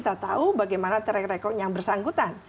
kita tahu bagaimana track record yang bersangkutan